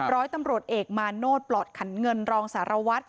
ร้อยตำรวจเอกมาโนธปลอดขันเงินรองสารวัตร